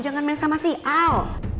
jangan main sama si al